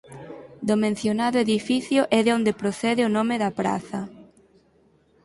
Do mencionado edificio é de onde procede o nome da praza.